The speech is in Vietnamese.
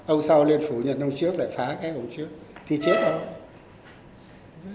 ông sau lên phủ nhận ông trước lại phá cái ông trước thì chết không